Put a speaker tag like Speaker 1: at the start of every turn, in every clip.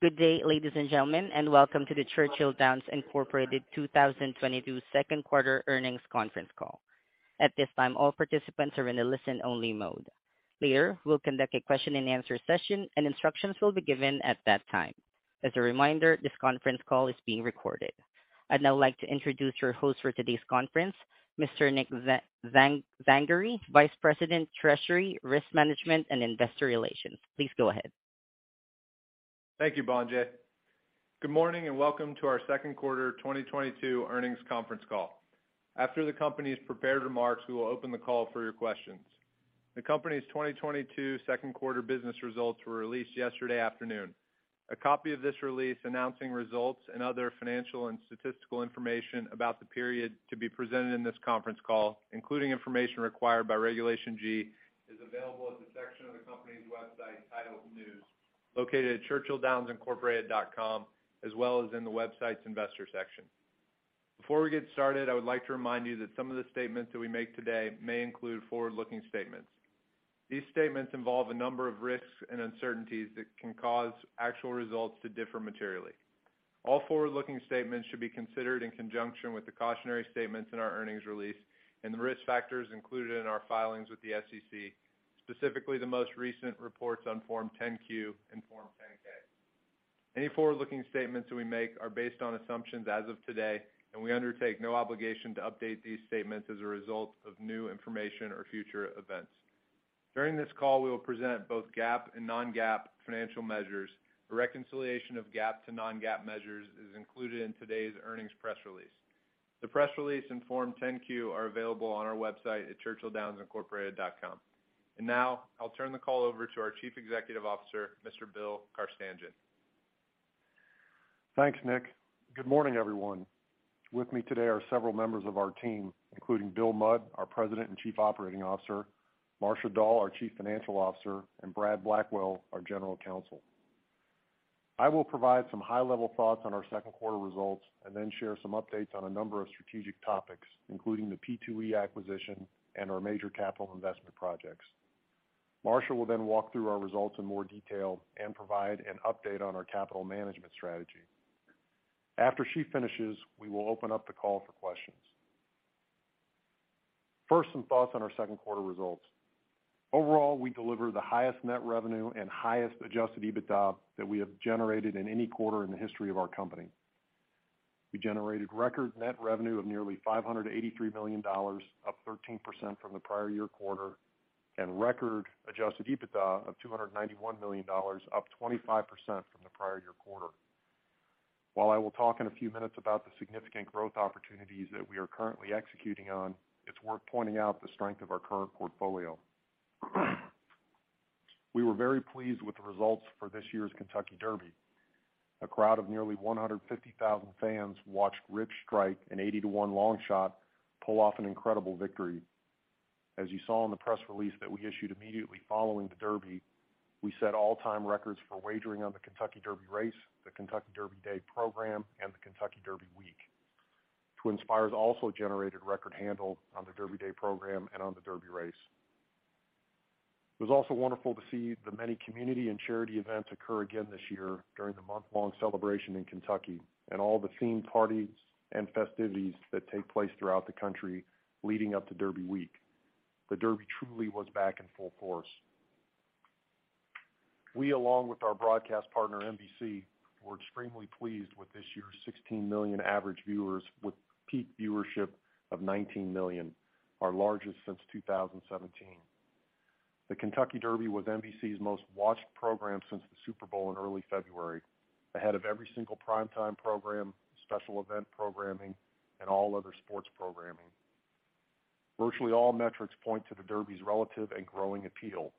Speaker 1: Good day, ladies and gentlemen, and welcome to the Churchill Downs Incorporated 2022 second quarter earnings conference call. At this time, all participants are in a listen-only mode. Later, we'll conduct a question-and-answer session and instructions will be given at that time. As a reminder, this conference call is being recorded. I'd now like to introduce your host for today's conference, Mr. Nick Zangari, Vice President, Treasury, Risk Management, and Investor Relations. Please go ahead.
Speaker 2: Thank you, Bonje. Good morning, and welcome to our second quarter 2022 earnings conference call. After the company's prepared remarks, we will open the call for your questions. The company's 2022 second quarter business results were released yesterday afternoon. A copy of this release announcing results and other financial and statistical information about the period to be presented in this conference call, including information required by Regulation G, is available at the section of the company's website titled News, located at churchilldownsincorporated.com, as well as in the website's investor section. Before we get started, I would like to remind you that some of the statements that we make today may include forward-looking statements. These statements involve a number of risks and uncertainties that can cause actual results to differ materially. All forward-looking statements should be considered in conjunction with the cautionary statements in our earnings release and the risk factors included in our filings with the SEC, specifically the most recent reports on Form 10-Q and Form 10-K. Any forward-looking statements that we make are based on assumptions as of today, and we undertake no obligation to update these statements as a result of new information or future events. During this call, we will present both GAAP and non-GAAP financial measures. A reconciliation of GAAP to non-GAAP measures is included in today's earnings press release. The press release and Form 10-Q are available on our website at churchilldownsincorporated.com. Now, I'll turn the call over to our Chief Executive Officer, Mr. Bill Carstanjen.
Speaker 3: Thanks, Nick. Good morning, everyone. With me today are several members of our team, including Bill Mudd, our President and Chief Operating Officer, Marcia Dall, our Chief Financial Officer, and Brad Blackwell, our General Counsel. I will provide some high-level thoughts on our second quarter results and then share some updates on a number of strategic topics, including the P2E acquisition and our major capital investment projects. Marcia will then walk through our results in more detail and provide an update on our capital management strategy. After she finishes, we will open up the call for questions. First, some thoughts on our second quarter results. Overall, we delivered the highest net revenue and highest adjusted EBITDA that we have generated in any quarter in the history of our company. We generated record net revenue of nearly $583 million, up 13% from the prior year quarter, and record adjusted EBITDA of $291 million, up 25% from the prior year quarter. While I will talk in a few minutes about the significant growth opportunities that we are currently executing on, it's worth pointing out the strength of our current portfolio. We were very pleased with the results for this year's Kentucky Derby. A crowd of nearly 150,000 fans watched Rich Strike, an 80-to-1 long shot, pull off an incredible victory. As you saw in the press release that we issued immediately following the Derby, we set all-time records for wagering on the Kentucky Derby race, the Kentucky Derby Day program, and the Kentucky Derby week. TwinSpires also generated record handle on the Derby Day program and on the Derby race. It was also wonderful to see the many community and charity events occur again this year during the month-long celebration in Kentucky and all the themed parties and festivities that take place throughout the country leading up to Derby week. The Derby truly was back in full force. We, along with our broadcast partner, NBC, were extremely pleased with this year's 16 million average viewers with peak viewership of 19 million, our largest since 2017. The Kentucky Derby was NBC's most-watched program since the Super Bowl in early February, ahead of every single prime-time program, special event programming, and all other sports programming. Virtually all metrics point to the Derby's relative and growing appeal.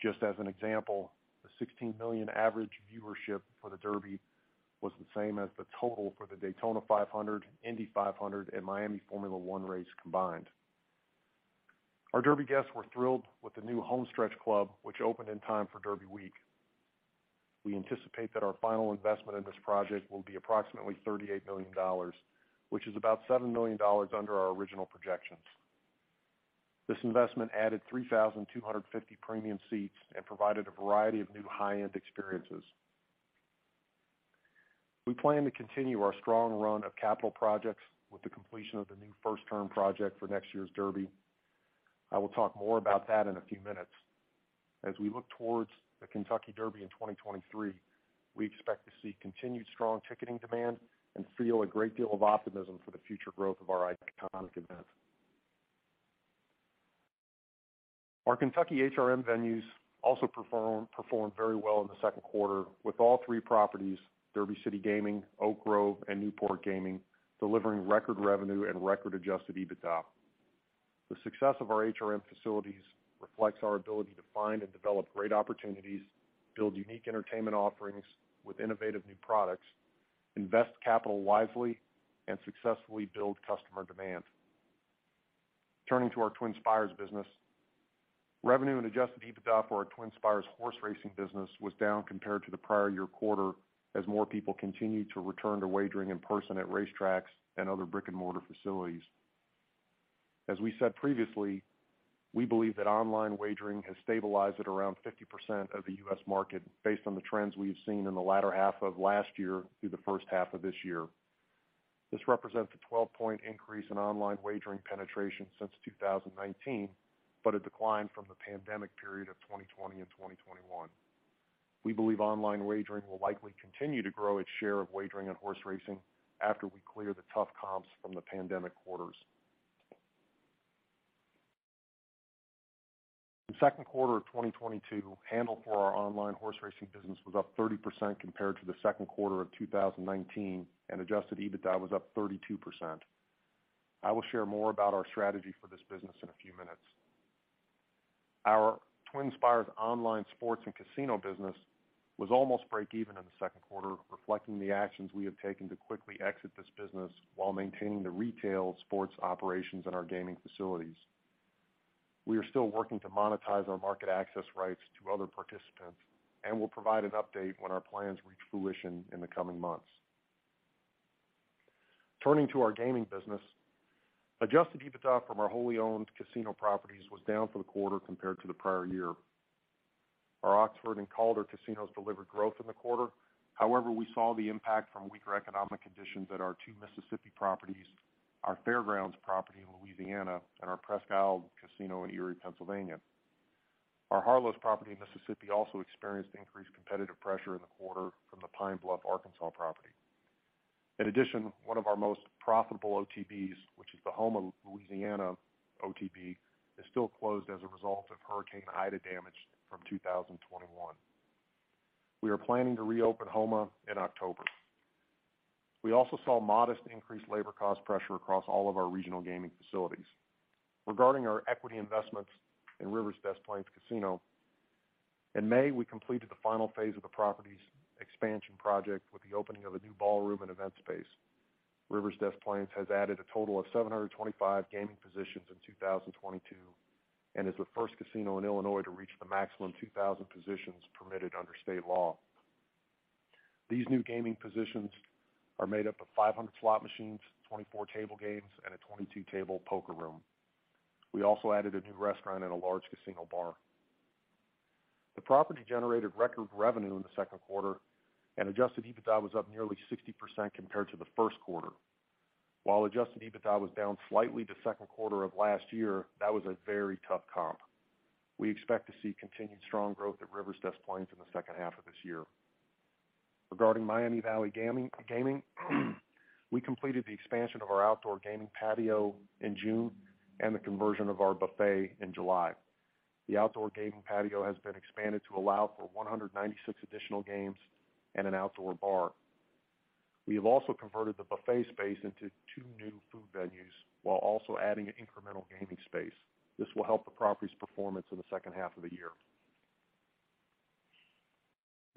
Speaker 3: Just as an example, the 16 million average viewership for the Derby was the same as the total for the Daytona 500, Indy 500, and Miami Grand Prix combined. Our Derby guests were thrilled with the new Homestretch Club, which opened in time for Derby week. We anticipate that our final investment in this project will be approximately $38 million, which is about $7 million under our original projections. This investment added 3,250 premium seats and provided a variety of new high-end experiences. We plan to continue our strong run of capital projects with the completion of the new first-turn project for next year's Derby. I will talk more about that in a few minutes. As we look towards the Kentucky Derby in 2023, we expect to see continued strong ticketing demand and feel a great deal of optimism for the future growth of our iconic event. Our Kentucky HRM venues also performed very well in the second quarter with all three properties, Derby City Gaming, Oak Grove, and Newport Gaming, delivering record revenue and record adjusted EBITDA. The success of our HRM facilities reflects our ability to find and develop great opportunities, build unique entertainment offerings with innovative new products, invest capital wisely, and successfully build customer demand. Turning to our TwinSpires business. Revenue and adjusted EBITDA for our TwinSpires horse racing business was down compared to the prior year quarter as more people continued to return to wagering in person at racetracks and other brick-and-mortar facilities. As we said previously, we believe that online wagering has stabilized at around 50% of the U.S. market based on the trends we have seen in the latter half of last year through the first half of this year. This represents a 12-point increase in online wagering penetration since 2019, but a decline from the pandemic period of 2020 and 2021. We believe online wagering will likely continue to grow its share of wagering on horse racing after we clear the tough comps from the pandemic quarters. The second quarter of 2022 handle for our online horse racing business was up 30% compared to the second quarter of 2019, and adjusted EBITDA was up 32%. I will share more about our strategy for this business in a few minutes. Our TwinSpires online sports and casino business was almost breakeven in the second quarter, reflecting the actions we have taken to quickly exit this business while maintaining the retail sports operations in our gaming facilities. We are still working to monetize our market access rights to other participants, and we'll provide an update when our plans reach fruition in the coming months. Turning to our gaming business. Adjusted EBITDA from our wholly owned casino properties was down for the quarter compared to the prior year. Our Oxford and Calder casinos delivered growth in the quarter. However, we saw the impact from weaker economic conditions at our two Mississippi properties, our Fair Grounds property in Louisiana, and our Presque Isle Casino in Erie, Pennsylvania. Our Harlow's property in Mississippi also experienced increased competitive pressure in the quarter from the Pine Bluff, Arkansas property. In addition, one of our most profitable OTB's, which is the Houma, Louisiana OTB, is still closed as a result of Hurricane Ida damage from 2021. We are planning to reopen Houma in October. We also saw modest increased labor cost pressure across all of our regional gaming facilities. Regarding our equity investments in Rivers Casino Des Plaines, in May, we completed the final phase of the property's expansion project with the opening of a new ballroom and event space. Rivers Casino Des Plaines has added a total of 725 gaming positions in 2022, and is the first casino in Illinois to reach the maximum 2,000 positions permitted under state law. These new gaming positions are made up of 500 slot machines, 24 table games, and a 22-table poker room. We also added a new restaurant and a large casino bar. The property generated record revenue in the second quarter and adjusted EBITDA was up nearly 60% compared to the first quarter. While adjusted EBITDA was down slightly the second quarter of last year, that was a very tough comp. We expect to see continued strong growth at Rivers Casino Des Plaines in the second half of this year. Regarding Miami Valley Gaming, we completed the expansion of our outdoor gaming patio in June and the conversion of our buffet in July. The outdoor gaming patio has been expanded to allow for 196 additional games and an outdoor bar. We have also converted the buffet space into two new food venues while also adding incremental gaming space. This will help the property's performance in the second half of the year.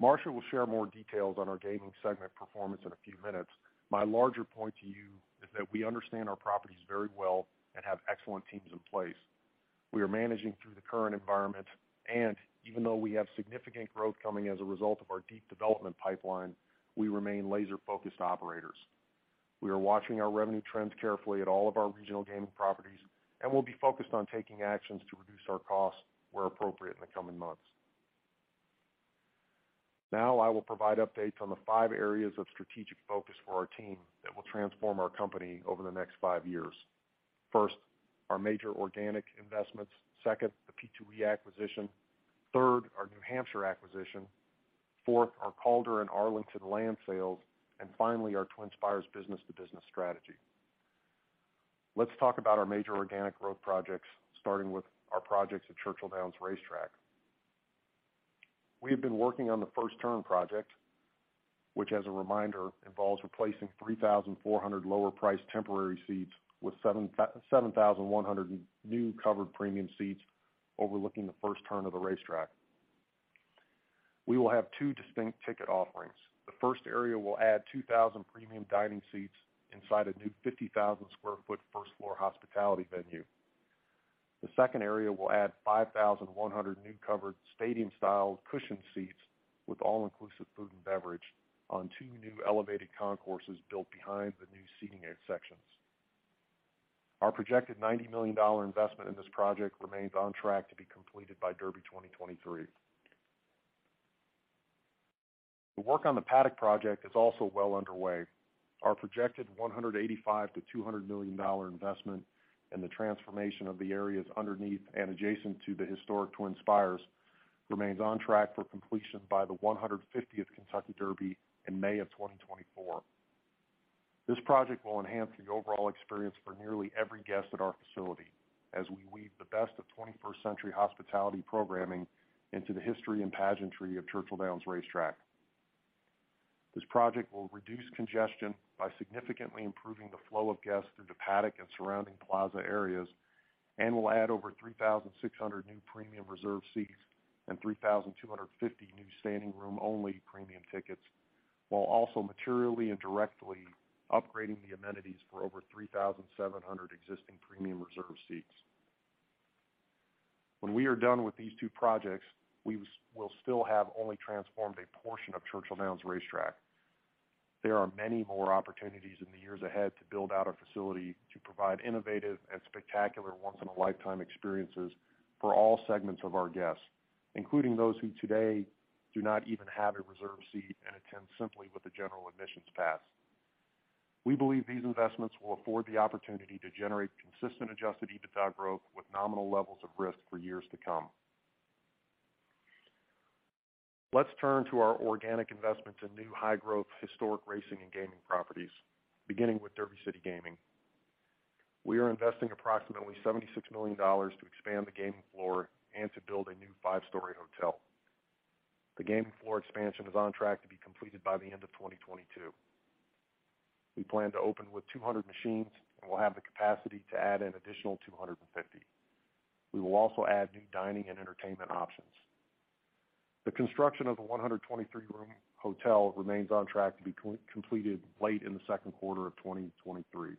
Speaker 3: Marcia will share more details on our gaming segment performance in a few minutes. My larger point to you is that we understand our properties very well and have excellent teams in place. We are managing through the current environment, and even though we have significant growth coming as a result of our deep development pipeline, we remain laser-focused operators. We are watching our revenue trends carefully at all of our regional gaming properties, and we'll be focused on taking actions to reduce our costs where appropriate in the coming months. Now, I will provide updates on the five areas of strategic focus for our team that will transform our company over the next five years. First, our major organic investments. Second, the P2E acquisition. Third, our New Hampshire acquisition. Fourth, our Calder and Arlington land sales. Finally, our TwinSpires business-to-business strategy. Let's talk about our major organic growth projects, starting with our projects at Churchill Downs Racetrack. We have been working on the first turn project, which, as a reminder, involves replacing 3,400 lower-priced temporary seats with 7,100 new covered premium seats overlooking the first turn of the racetrack. We will have two distinct ticket offerings. The first area will add 2,000 premium dining seats inside a new 50,000 sq ft first-floor hospitality venue. The second area will add 5,100 new covered stadium-style cushioned seats with all-inclusive food and beverage on two new elevated concourses built behind the new seating sections. Our projected $90 million investment in this project remains on track to be completed by Derby 2023. The work on the paddock project is also well underway. Our projected $185 million-$200 million investment in the transformation of the areas underneath and adjacent to the historic TwinSpires remains on track for completion by the 150th Kentucky Derby in May of 2024. This project will enhance the overall experience for nearly every guest at our facility as we weave the best of 21st century hospitality programming into the history and pageantry of Churchill Downs Racetrack. This project will reduce congestion by significantly improving the flow of guests through the paddock and surrounding plaza areas, and will add over 3,600 new premium reserve seats and 3,250 new standing room only premium tickets, while also materially and directly upgrading the amenities for over 3,700 existing premium reserve seats. When we are done with these two projects, we will still have only transformed a portion of Churchill Downs Racetrack. There are many more opportunities in the years ahead to build out our facility to provide innovative and spectacular once-in-a-lifetime experiences for all segments of our guests, including those who today do not even have a reserved seat and attend simply with a general admissions pass. We believe these investments will afford the opportunity to generate consistent adjusted EBITDA growth with nominal levels of risk for years to come. Let's turn to our organic investment to new high-growth historical racing and gaming properties, beginning with Derby City Gaming. We are investing approximately $76 million to expand the gaming floor and to build a new five-story hotel. The gaming floor expansion is on track to be completed by the end of 2022. We plan to open with 200 machines and will have the capacity to add an additional 250. We will also add new dining and entertainment options. The construction of the 123-room hotel remains on track to be completed late in the second quarter of 2023.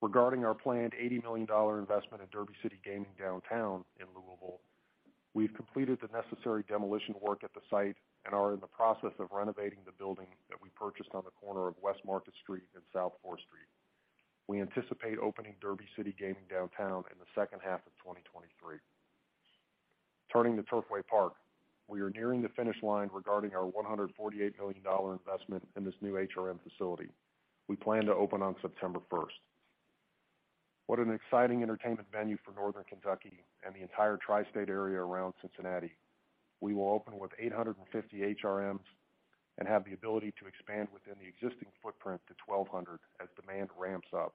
Speaker 3: Regarding our planned $80 million investment in Derby City Gaming Downtown in Louisville, we've completed the necessary demolition work at the site and are in the process of renovating the building that we purchased on the corner of West Market Street and South Fourth Street. We anticipate opening Derby City Gaming Downtown in the second half of 2023. Turning to Turfway Park, we are nearing the finish line regarding our $148 million investment in this new HRM facility. We plan to open on September first. What an exciting entertainment venue for Northern Kentucky and the entire tri-state area around Cincinnati. We will open with 850 HRMs and have the ability to expand within the existing footprint to 1,200 as demand ramps up.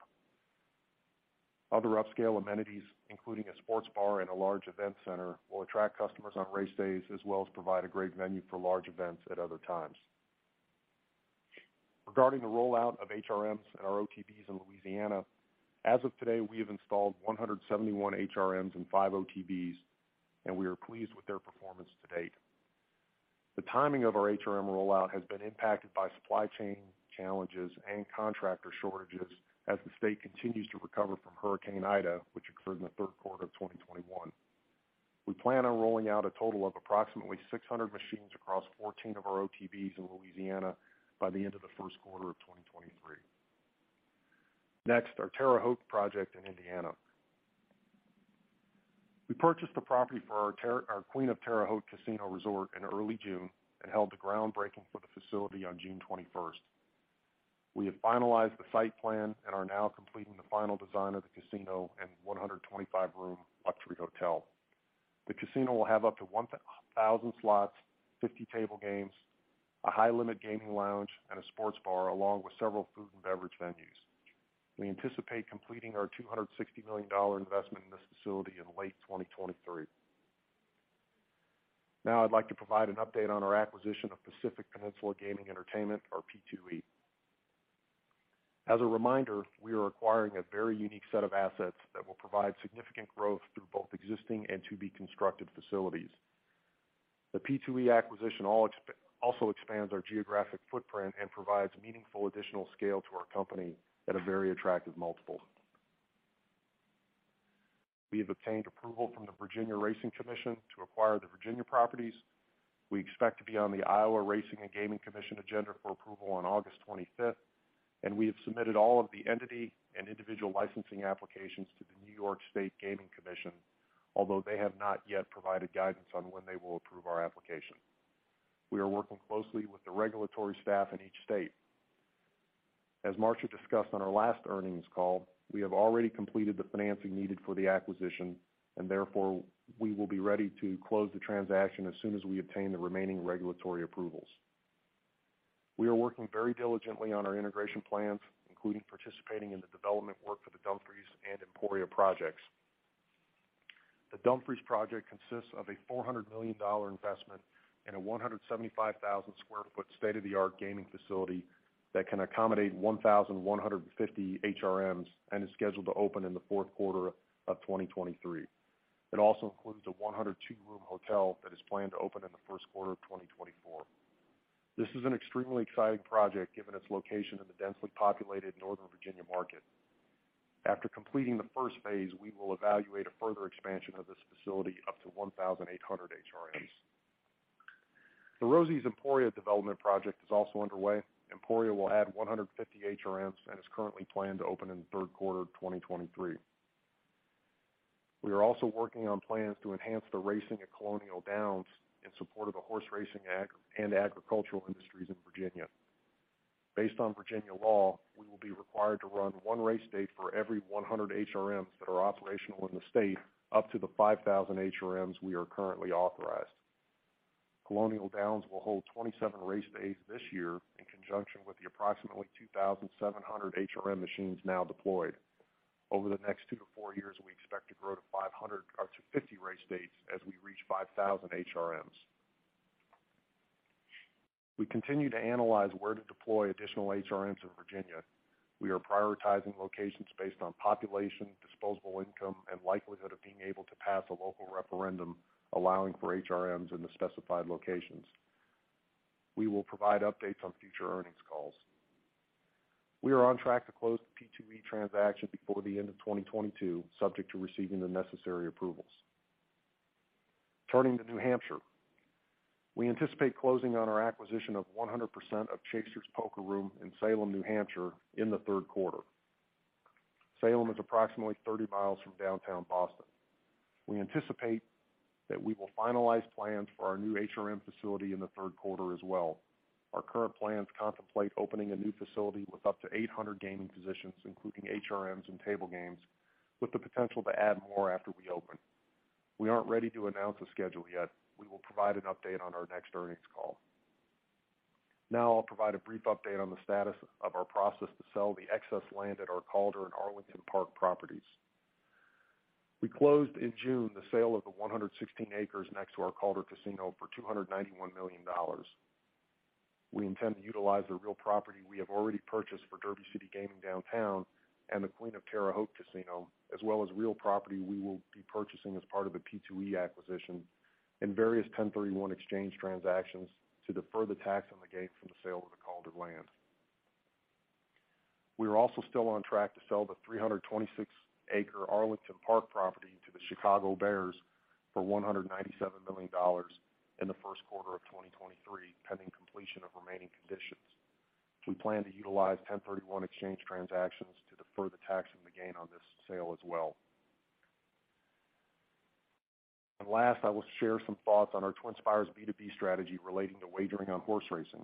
Speaker 3: Other upscale amenities, including a sports bar and a large event center, will attract customers on race days, as well as provide a great venue for large events at other times. Regarding the rollout of HRMs and our OTB s in Louisiana, as of today, we have installed 171 HRMs and five OTB s, and we are pleased with their performance to date. The timing of our HRM rollout has been impacted by supply chain challenges and contractor shortages as the state continues to recover from Hurricane Ida, which occurred in the third quarter of 2021. We plan on rolling out a total of approximately 600 machines across 14 of our OTB s in Louisiana by the end of the first quarter of 2023. Next, our Terre Haute project in Indiana. We purchased the property for our Queen of Terre Haute Casino Resort in early June and held the groundbreaking for the facility on June 21. We have finalized the site plan and are now completing the final design of the casino and 125-room luxury hotel. The casino will have up to 1,000 slots, 50 table games, a high-limit gaming lounge, and a sports bar, along with several food and beverage venues. We anticipate completing our $260 million investment in this facility in late 2023. Now I'd like to provide an update on our acquisition of Peninsula Pacific Entertainment, or P2E. As a reminder, we are acquiring a very unique set of assets that will provide significant growth through both existing and to-be-constructed facilities. The P2E acquisition also expands our geographic footprint and provides meaningful additional scale to our company at a very attractive multiple. We have obtained approval from the Virginia Racing Commission to acquire the Virginia properties. We expect to be on the Iowa Racing and Gaming Commission agenda for approval on August 25th, and we have submitted all of the entity and individual licensing applications to the New York State Gaming Commission, although they have not yet provided guidance on when they will approve our application. We are working closely with the regulatory staff in each state. As Marcia discussed on our last earnings call, we have already completed the financing needed for the acquisition, and therefore, we will be ready to close the transaction as soon as we obtain the remaining regulatory approvals. We are working very diligently on our integration plans, including participating in the development work for the Dumfries and Emporia projects. The Dumfries project consists of a $400 million investment in a 175,000 sq ft state-of-the-art gaming facility that can accommodate 1,150 HRMs and is scheduled to open in the fourth quarter of 2023. It also includes a 102-room hotel that is planned to open in the first quarter of 2024. This is an extremely exciting project, given its location in the densely populated Northern Virginia market. After completing the first phase, we will evaluate a further expansion of this facility up to 1,800 HRMs. The Rosie's Emporia development project is also underway. Emporia will add 150 HRMs and is currently planned to open in the third quarter of 2023. We are also working on plans to enhance the racing at Colonial Downs in support of the horse racing and agricultural industries in Virginia. Based on Virginia law, we will be required to run 1 race date for every 100 HRMs that are operational in the state, up to the 5,000 HRMs we are currently authorized. Colonial Downs will hold 27 race days this year in conjunction with the approximately 2,700 HRM machines now deployed. Over the next two to four years, we expect to grow to 50 race dates as we reach 5,000 HRMs. We continue to analyze where to deploy additional HRMs in Virginia. We are prioritizing locations based on population, disposable income, and likelihood of being able to pass a local referendum allowing for HRMs in the specified locations. We will provide updates on future earnings calls. We are on track to close the P2E transaction before the end of 2022, subject to receiving the necessary approvals. Turning to New Hampshire. We anticipate closing on our acquisition of 100% of Chasers Poker Room in Salem, New Hampshire, in the third quarter. Salem is approximately 30 miles from downtown Boston. We anticipate that we will finalize plans for our new HRM facility in the third quarter as well. Our current plans contemplate opening a new facility with up to 800 gaming positions, including HRMs and table games, with the potential to add more after we open. We aren't ready to announce a schedule yet. We will provide an update on our next earnings call. Now I'll provide a brief update on the status of our process to sell the excess land at our Calder and Arlington Park properties. We closed in June the sale of the 116 acres next to our Calder Casino for $291 million. We intend to utilize the real property we have already purchased for Derby City Gaming Downtown and the Queen of Terre Haute Casino, as well as real property we will be purchasing as part of the P2E acquisition in various 1031 exchange transactions to defer the tax on the gain from the sale of the Calder land. We are also still on track to sell the 326-acre Arlington Park property to the Chicago Bears for $197 million in the first quarter of 2023, pending completion of remaining conditions. We plan to utilize 1031 exchange transactions to defer the tax and the gain on this sale as well. Last, I will share some thoughts on our TwinSpires B2B strategy relating to wagering on horse racing.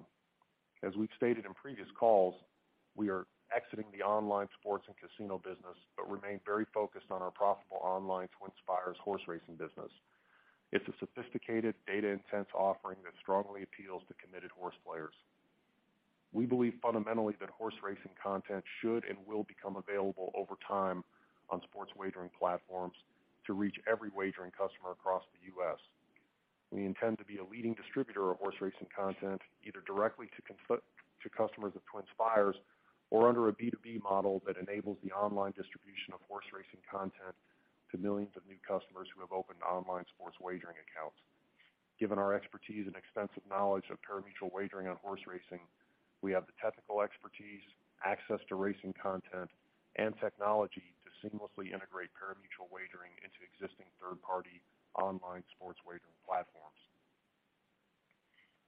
Speaker 3: As we've stated in previous calls, we are exiting the online sports and casino business, but remain very focused on our profitable online TwinSpires horse racing business. It's a sophisticated data-intense offering that strongly appeals to committed horse players. We believe fundamentally that horse racing content should and will become available over time on sports wagering platforms to reach every wagering customer across the U.S. We intend to be a leading distributor of horse racing content, either directly to customers of TwinSpires or under a B2B model that enables the online distribution of horse racing content to millions of new customers who have opened online sports wagering accounts. Given our expertise and extensive knowledge of pari-mutuel wagering on horse racing, we have the technical expertise, access to racing content, and technology to seamlessly integrate pari-mutuel wagering into existing third-party online sports wagering platforms.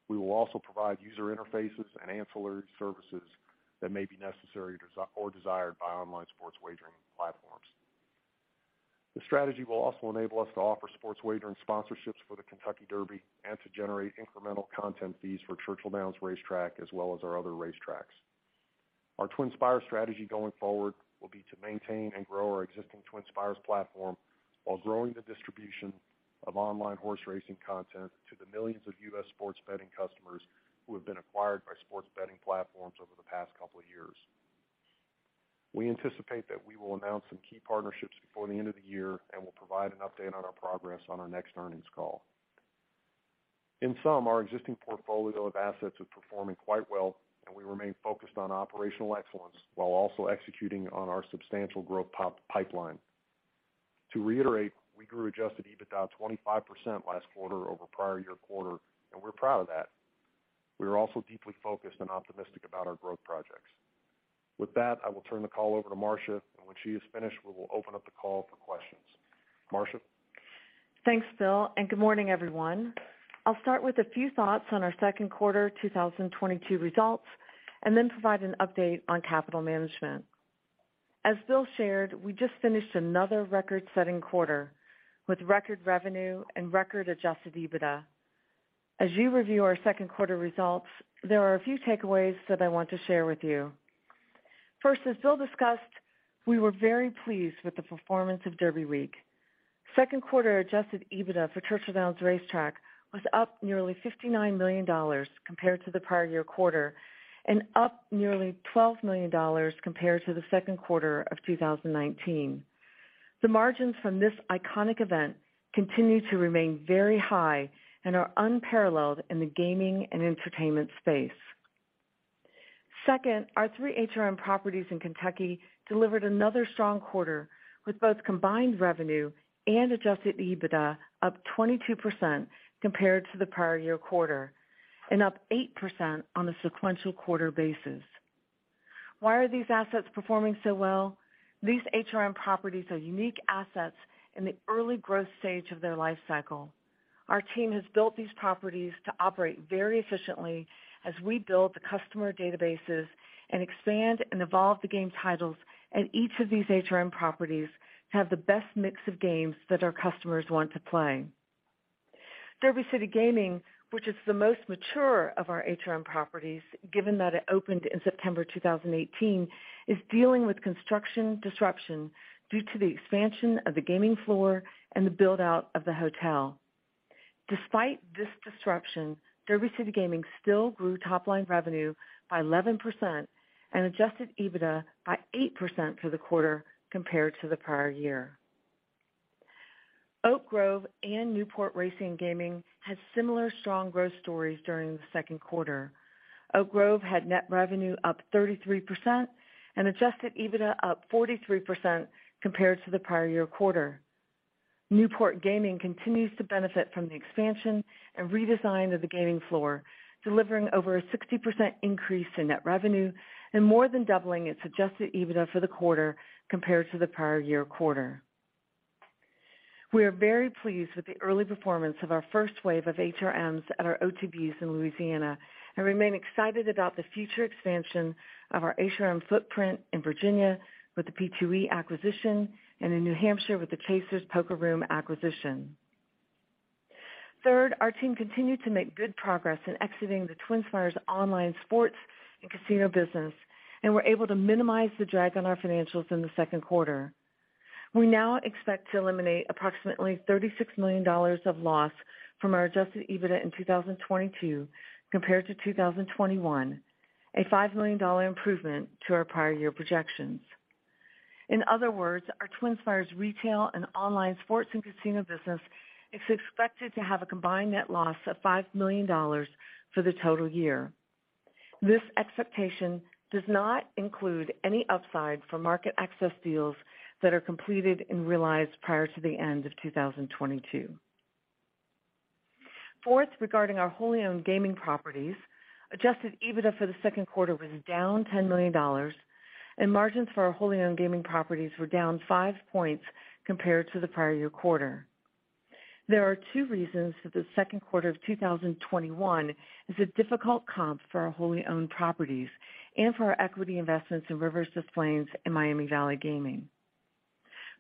Speaker 3: We will also provide user interfaces and ancillary services that may be necessary or desired by online sports wagering platforms. The strategy will also enable us to offer sports wagering sponsorships for the Kentucky Derby and to generate incremental content fees for Churchill Downs Racetrack, as well as our other racetracks. Our TwinSpires strategy going forward will be to maintain and grow our existing TwinSpires platform while growing the distribution of online horse racing content to the millions of U.S. sports betting customers who have been acquired by sports betting platforms over the past couple of years. We anticipate that we will announce some key partnerships before the end of the year and will provide an update on our progress on our next earnings call. In sum, our existing portfolio of assets is performing quite well and we remain focused on operational excellence while also executing on our substantial growth pipeline. To reiterate, we grew adjusted EBITDA 25% last quarter over prior year quarter, and we're proud of that. We are also deeply focused and optimistic about our growth projects. With that, I will turn the call over to Marcia, and when she is finished, we will open up the call for questions. Marcia?
Speaker 4: Thanks, Bill, and good morning, everyone. I'll start with a few thoughts on our second quarter 2022 results, and then provide an update on capital management. As Bill shared, we just finished another record-setting quarter with record revenue and record adjusted EBITDA. As you review our second quarter results, there are a few takeaways that I want to share with you. First, as Bill discussed, we were very pleased with the performance of Derby Week. Second quarter adjusted EBITDA for Churchill Downs Racetrack was up nearly $59 million compared to the prior year quarter, and up nearly $12 million compared to the second quarter of 2019. The margins from this iconic event continue to remain very high and are unparalleled in the gaming and entertainment space. Second, our three HRM properties in Kentucky delivered another strong quarter, with both combined revenue and adjusted EBITDA up 22% compared to the prior year quarter, and up 8% on a sequential quarter basis. Why are these assets performing so well? These HRM properties are unique assets in the early growth stage of their life cycle. Our team has built these properties to operate very efficiently as we build the customer databases and expand and evolve the game titles, and each of these HRM properties have the best mix of games that our customers want to play. Derby City Gaming, which is the most mature of our HRM properties, given that it opened in September 2018, is dealing with construction disruption due to the expansion of the gaming floor and the build-out of the hotel. Despite this disruption, Derby City Gaming still grew top-line revenue by 11% and adjusted EBITDA by 8% for the quarter compared to the prior year. Oak Grove and Newport Racing & Gaming had similar strong growth stories during the second quarter. Oak Grove had net revenue up 33% and adjusted EBITDA up 43% compared to the prior year quarter. Newport Gaming continues to benefit from the expansion and redesign of the gaming floor, delivering over a 60% increase in net revenue and more than doubling its adjusted EBITDA for the quarter compared to the prior year quarter. We are very pleased with the early performance of our first wave of HRMs at our OTBs in Louisiana, and remain excited about the future expansion of our HRM footprint in Virginia with the P2E acquisition and in New Hampshire with the Chasers Poker Room acquisition. Third, our team continued to make good progress in exiting the TwinSpires online sports and casino business, and were able to minimize the drag on our financials in the second quarter. We now expect to eliminate approximately $36 million of loss from our adjusted EBITDA in 2022 compared to 2021, a $5 million improvement to our prior year projections. In other words, our TwinSpires retail and online sports and casino business is expected to have a combined net loss of $5 million for the total year. This expectation does not include any upside from market access deals that are completed and realized prior to the end of 2022. Fourth, regarding our wholly owned gaming properties, adjusted EBITDA for the second quarter was down $10 million and margins for our wholly owned gaming properties were down 5 points compared to the prior year quarter. There are two reasons that the second quarter of 2021 is a difficult comp for our wholly owned properties and for our equity investments in Rivers Casino Des Plaines and Miami Valley Gaming.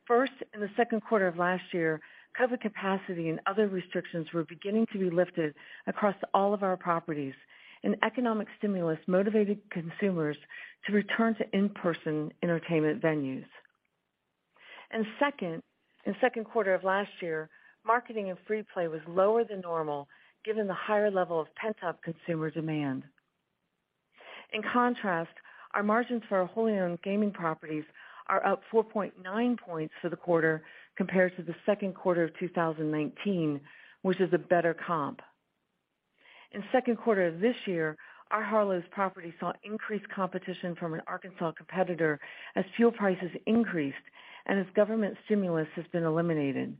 Speaker 4: First, in the second quarter of last year, COVID capacity and other restrictions were beginning to be lifted across all of our properties, and economic stimulus motivated consumers to return to in-person entertainment venues. Second, in the second quarter of last year, marketing and free play was lower than normal given the higher level of pent-up consumer demand. In contrast, our margins for our wholly owned gaming properties are up 4.9 points for the quarter compared to the second quarter of 2019, which is a better comp. In the second quarter of this year, our Harlow's property saw increased competition from an Arkansas competitor as fuel prices increased and as government stimulus has been eliminated.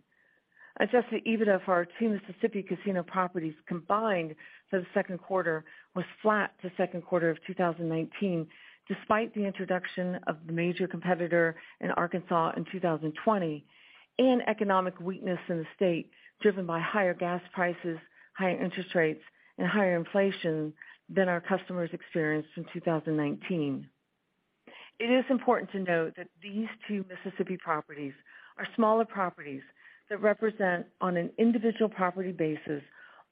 Speaker 4: Adjusted EBITDA for our two Mississippi casino properties combined for the second quarter was flat to second quarter of 2019, despite the introduction of the major competitor in Arkansas in 2020 and economic weakness in the state, driven by higher gas prices, higher interest rates, and higher inflation than our customers experienced in 2019. It is important to note that these two Mississippi properties are smaller properties that represent, on an individual property basis,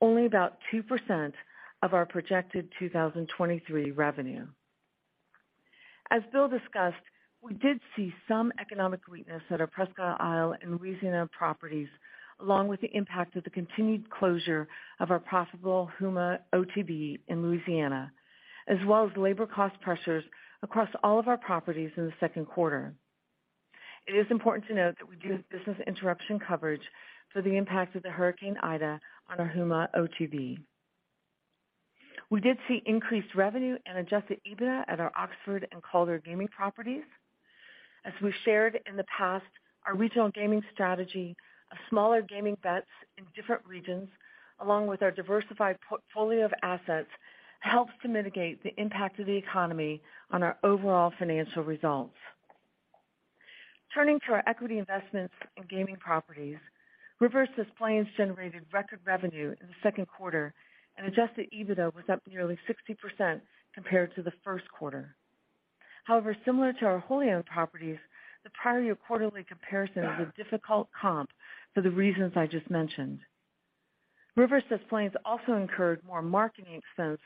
Speaker 4: only about 2% of our projected 2023 revenue. As Bill discussed, we did see some economic weakness at our Presque Isle and Louisiana properties, along with the impact of the continued closure of our profitable Houma OTB in Louisiana, as well as labor cost pressures across all of our properties in the second quarter. It is important to note that we do have business interruption coverage for the impact of the Hurricane Ida on our Houma OTB. We did see increased revenue and adjusted EBITDA at our Oxford and Calder gaming properties. As we've shared in the past, our regional gaming strategy of smaller gaming bets in different regions, along with our diversified portfolio of assets, helps to mitigate the impact of the economy on our overall financial results. Turning to our equity investments in gaming properties, Rivers Casino Des Plaines generated record revenue in the second quarter, and adjusted EBITDA was up nearly 60% compared to the first quarter. However, similar to our wholly owned properties, the prior year quarterly comparison is a difficult comp for the reasons I just mentioned. Rivers Casino Des Plaines also incurred more marketing expense,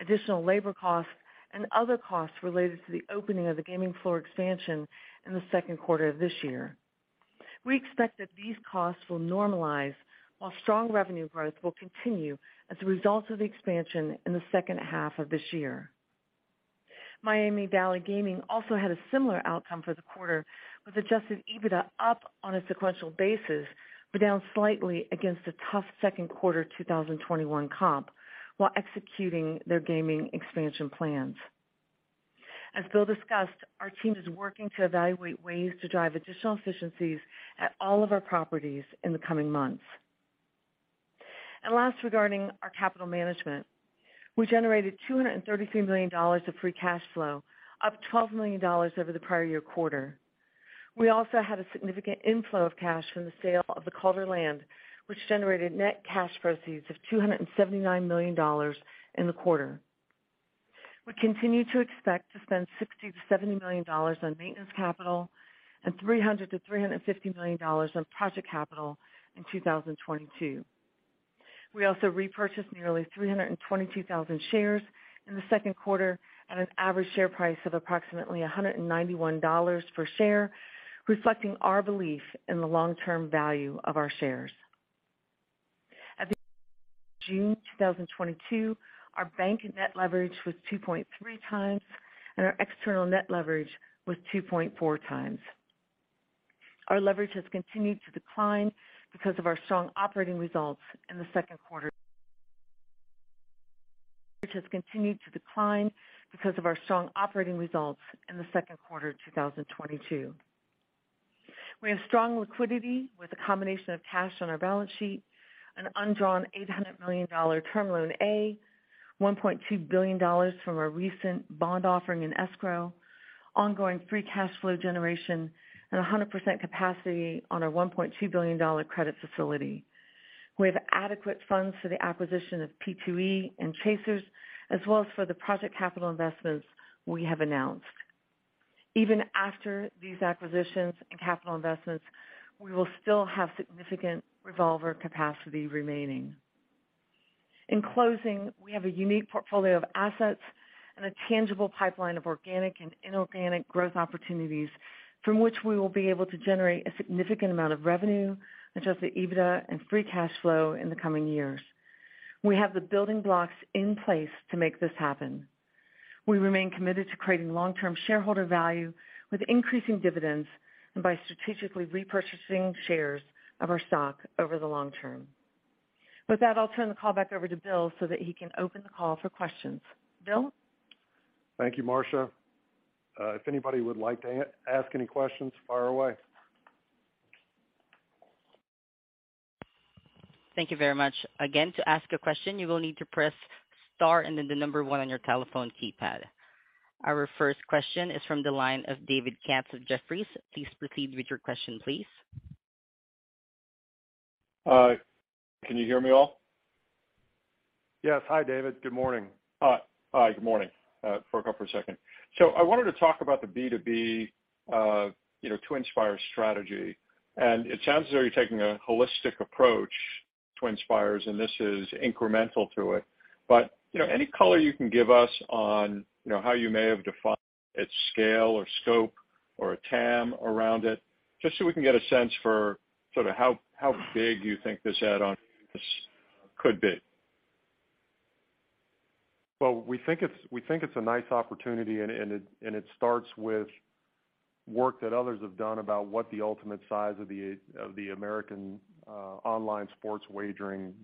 Speaker 4: additional labor costs, and other costs related to the opening of the gaming floor expansion in the second quarter of this year. We expect that these costs will normalize while strong revenue growth will continue as a result of the expansion in the second half of this year. Miami Valley Gaming also had a similar outcome for the quarter, with adjusted EBITDA up on a sequential basis, but down slightly against a tough second quarter 2021 comp while executing their gaming expansion plans. As Bill discussed, our team is working to evaluate ways to drive additional efficiencies at all of our properties in the coming months. Last, regarding our capital management, we generated $233 million of free cash flow, up $12 million over the prior year quarter. We also had a significant inflow of cash from the sale of the Calder land, which generated net cash proceeds of $279 million in the quarter. We continue to expect to spend $60-$70 million on maintenance capital and $300-$350 million on project capital in 2022. We also repurchased nearly 322,000 shares in the second quarter at an average share price of approximately $191 per share, reflecting our belief in the long-term value of our shares. At the end of June 2022, our bank net leverage was 2.3 times, and our external net leverage was 2.4 times. Our leverage has continued to decline because of our strong operating results in the second quarter of 2022. We have strong liquidity with a combination of cash on our balance sheet, an undrawn $800 million term loan A, $1.2 billion from our recent bond offering in escrow, ongoing free cash flow generation, and 100% capacity on our $1.2 billion credit facility. We have adequate funds for the acquisition of P2E and Chasers, as well as for the project capital investments we have announced. Even after these acquisitions and capital investments, we will still have significant revolver capacity remaining. In closing, we have a unique portfolio of assets and a tangible pipeline of organic and inorganic growth opportunities from which we will be able to generate a significant amount of revenue, adjusted EBITDA and free cash flow in the coming years. We have the building blocks in place to make this happen. We remain committed to creating long-term shareholder value with increasing dividends and by strategically repurchasing shares of our stock over the long term. With that, I'll turn the call back over to Bill so that he can open the call for questions. Bill?
Speaker 3: Thank you, Marcia. If anybody would like to ask any questions, fire away.
Speaker 1: Thank you very much. Again, to ask a question, you will need to press star and then the number one on your telephone keypad. Our first question is from the line of David Katz of Jefferies. Please proceed with your question, please.
Speaker 5: Can you hear me all?
Speaker 3: Yes. Hi, David. Good morning.
Speaker 5: Hi, good morning. Broke up for a second. I wanted to talk about the B2B, you know, TwinSpires strategy. It sounds as though you're taking a holistic approach to TwinSpires, and this is incremental to it. You know, any color you can give us on, you know, how you may have defined its scale or scope or a TAM around it, just so we can get a sense for sort of how big you think this add-on could be.
Speaker 3: Well, we think it's a nice opportunity and it starts with work that others have done about what the ultimate size of the American online sports wagering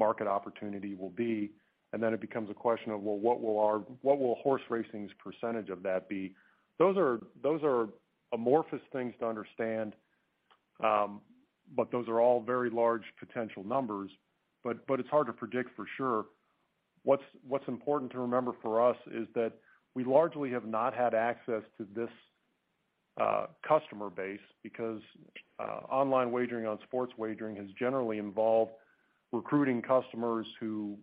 Speaker 3: market opportunity will be. Then it becomes a question of, well, what will horse racing's percentage of that be? Those are amorphous things to understand, but those are all very large potential numbers. But it's hard to predict for sure. What's important to remember for us is that we largely have not had access to this customer base because online wagering on sports wagering has generally involved recruiting customers who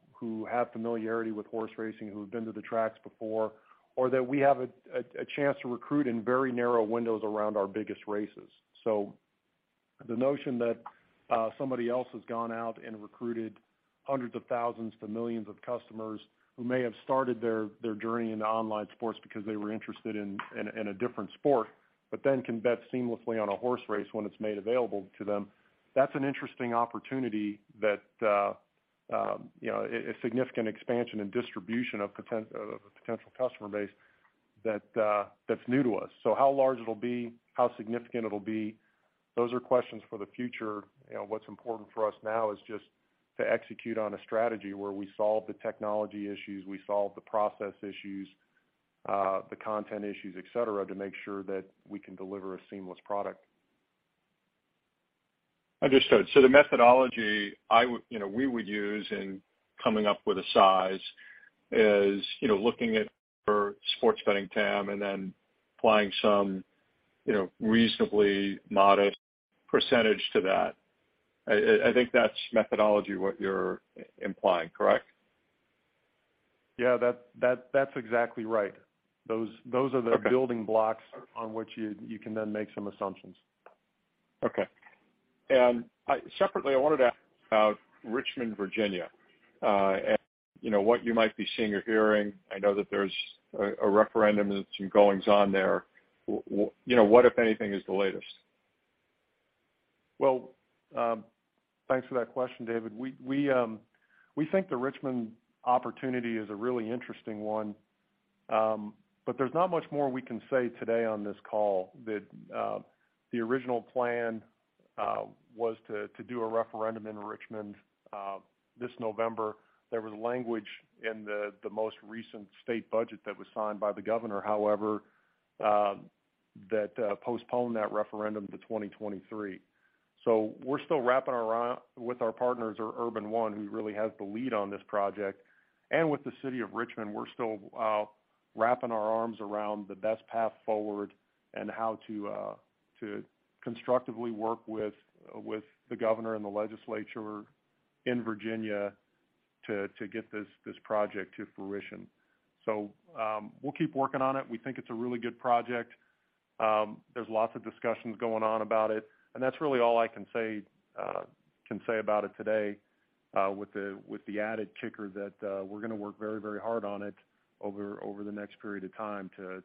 Speaker 3: have familiarity with horse racing, who have been to the tracks before, or that we have a chance to recruit in very narrow windows around our biggest races. The notion that somebody else has gone out and recruited hundreds of thousands to millions of customers who may have started their journey into online sports because they were interested in a different sport, but then can bet seamlessly on a horse race when it's made available to them, that's an interesting opportunity that you know a significant expansion in distribution of a potential customer base that's new to us. How large it'll be, how significant it'll be, those are questions for the future. You know, what's important for us now is just to execute on a strategy where we solve the technology issues, we solve the process issues, the content issues, et cetera, to make sure that we can deliver a seamless product.
Speaker 5: Understood. The methodology you know, we would use in coming up with a size is, you know, looking at for sports betting TAM and then applying some, you know, reasonably modest percentage to that. I think that's methodology, what you're implying, correct?
Speaker 3: Yeah. That's exactly right. Those are the-
Speaker 5: Okay.
Speaker 3: building blocks on which you can then make some assumptions.
Speaker 5: Okay. Separately, I wanted to ask about Richmond, Virginia, and, you know, what you might be seeing or hearing. I know that there's a referendum and some goings-on there. You know, what, if anything, is the latest?
Speaker 3: Well, thanks for that question, David. We think the Richmond opportunity is a really interesting one, but there's not much more we can say today on this call. The original plan was to do a referendum in Richmond this November. There was language in the most recent state budget that was signed by the governor, however, that postponed that referendum to 2023. We're still with our partners at Urban One, who really has the lead on this project, and with the city of Richmond, we're still wrapping our arms around the best path forward and how to constructively work with the governor and the legislature in Virginia to get this project to fruition. We'll keep working on it. We think it's a really good project. There's lots of discussions going on about it, and that's really all I can say about it today, with the added kicker that we're gonna work very, very hard on it over the next period of time to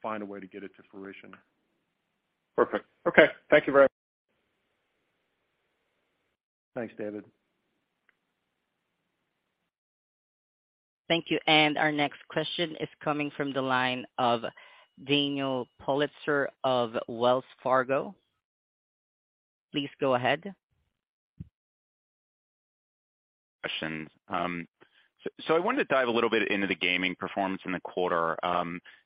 Speaker 3: find a way to get it to fruition.
Speaker 5: Perfect. Okay. Thank you very much.
Speaker 3: Thanks, David.
Speaker 1: Thank you. Our next question is coming from the line of Daniel Politzer of Wells Fargo. Please go ahead.
Speaker 6: Questions. I wanted to dive a little bit into the gaming performance in the quarter.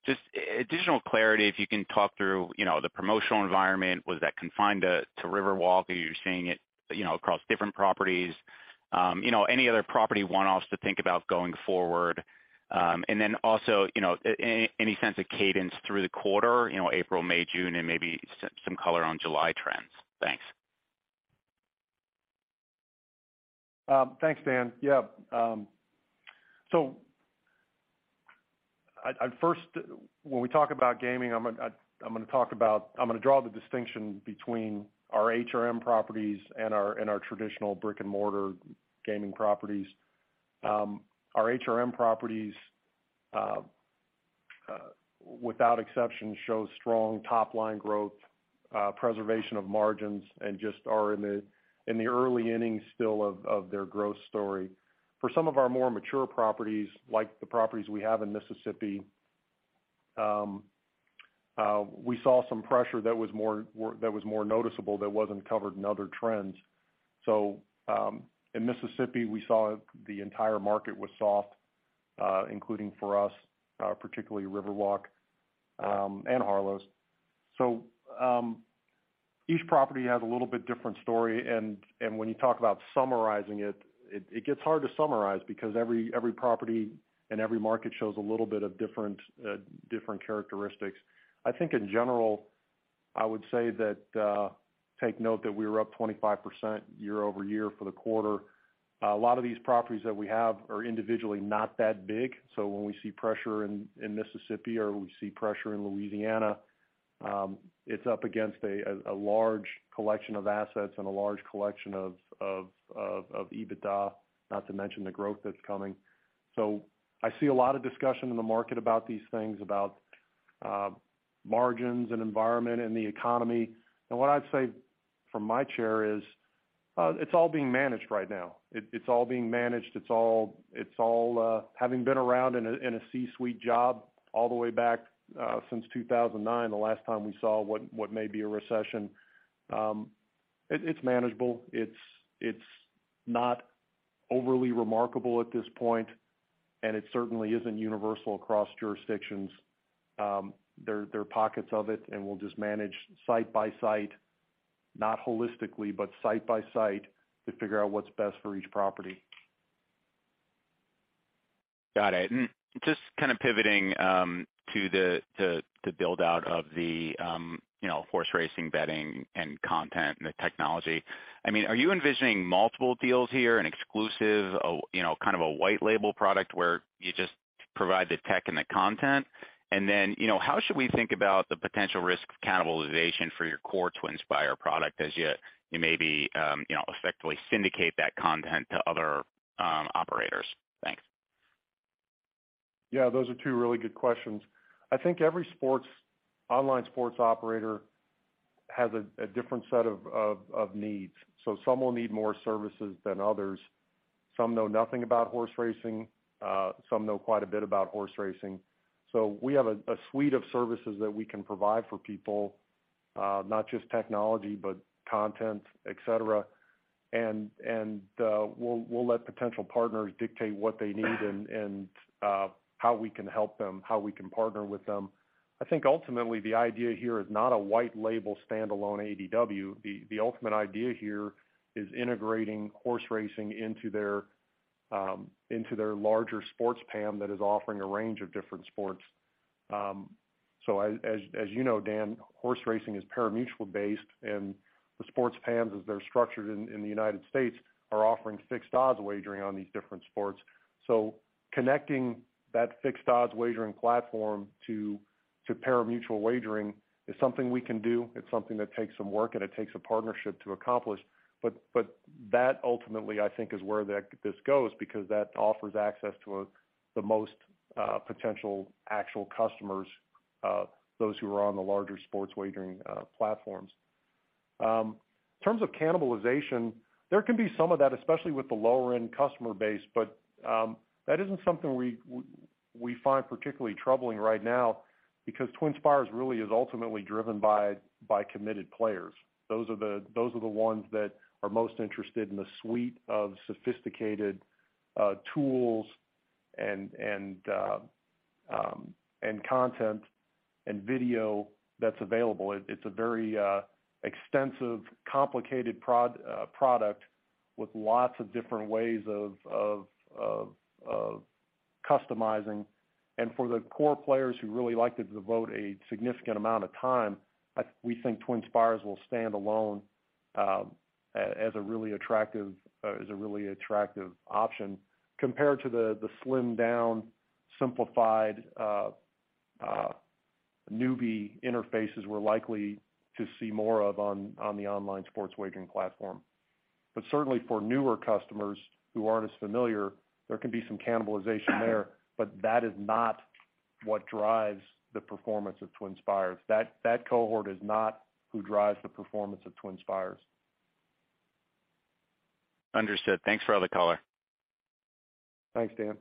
Speaker 6: Just additional clarity, if you can talk through, you know, the promotional environment, was that confined to Riverwalk or you're seeing it, you know, across different properties? You know, any other property one-offs to think about going forward? And then also, you know, any sense of cadence through the quarter, you know, April, May, June, and maybe some color on July trends. Thanks.
Speaker 3: Thanks, Dan. Yeah. When we talk about gaming, I'm gonna talk about the distinction between our HRM properties and our traditional brick-and-mortar gaming properties. Our HRM properties, without exception, show strong top-line growth, preservation of margins, and just are in the early innings still of their growth story. For some of our more mature properties, like the properties we have in Mississippi, we saw some pressure that was more noticeable that wasn't covered in other trends. In Mississippi, we saw the entire market was soft, including for us, particularly Riverwalk, and Harlow's. Each property has a little bit different story, and when you talk about summarizing it gets hard to summarize because every property and every market shows a little bit of different characteristics. I think in general, I would say that take note that we were up 25% year-over-year for the quarter. A lot of these properties that we have are individually not that big. When we see pressure in Mississippi or we see pressure in Louisiana, it's up against a large collection of assets and a large collection of EBITDA, not to mention the growth that's coming. I see a lot of discussion in the market about these things, about margins and environment and the economy. What I'd say from my chair is, it's all being managed right now. It's all being managed. Having been around in a C-suite job all the way back since 2009, the last time we saw what may be a recession, it's manageable. It's not overly remarkable at this point, and it certainly isn't universal across jurisdictions. There are pockets of it, and we'll just manage site by site, not holistically, but site by site to figure out what's best for each property.
Speaker 6: Got it. Just kind of pivoting to the build-out of the you know, horse racing betting and content and the technology. I mean, are you envisioning multiple deals here, an exclusive, you know, kind of a white label product where you just provide the tech and the content? You know, how should we think about the potential risk of cannibalization for your core TwinSpires product as you maybe you know, effectively syndicate that content to other operators? Thanks.
Speaker 3: Yeah, those are two really good questions. I think every sports, online sports operator has a different set of needs. Some will need more services than others. Some know nothing about horse racing. Some know quite a bit about horse racing. We have a suite of services that we can provide for people, not just technology, but content, et cetera. We'll let potential partners dictate what they need and how we can help them, how we can partner with them. I think ultimately the idea here is not a white label standalone ADW. The ultimate idea here is integrating horse racing into their larger sports PAM that is offering a range of different sports. As you know, Dan, horse racing is pari-mutuel based, and the sports PAMs, as they're structured in the United States, are offering fixed odds wagering on these different sports. Connecting that fixed odds wagering platform to pari-mutuel wagering is something we can do. It's something that takes some work, and it takes a partnership to accomplish. That ultimately I think is where this goes because that offers access to the most potential actual customers, those who are on the larger sports wagering platforms. In terms of cannibalization, there can be some of that, especially with the lower-end customer base. That isn't something we find particularly troubling right now because TwinSpires really is ultimately driven by committed players. Those are the ones that are most interested in the suite of sophisticated tools and content and video that's available. It's a very extensive, complicated product with lots of different ways of customizing. For the core players who really like to devote a significant amount of time, we think TwinSpires will stand alone as a really attractive option compared to the slimmed-down, simplified newbie interfaces we're likely to see more of on the online sports wagering platform. Certainly for newer customers who aren't as familiar, there can be some cannibalization there, but that is not what drives the performance of TwinSpires. That cohort is not who drives the performance of TwinSpires.
Speaker 6: Understood. Thanks for all the color.
Speaker 3: Thanks, Dan.